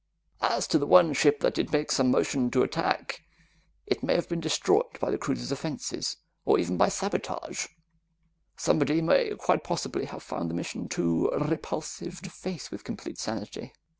As to the one ship that did make some motion to attack, it may have been destroyed by the cruiser's defenses, or even by sabotage. Somebody may quite possibly have found the mission too repulsive to face with complete sanity."